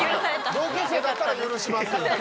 同級生だったら許します。